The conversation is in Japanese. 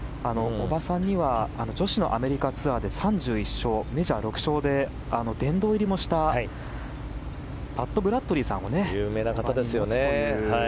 おばさんには女子のアメリカツアーで３１勝、メジャー６勝で殿堂入りもしたパット・ブラッドリーさんも有名で。